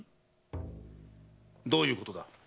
どういうことだ？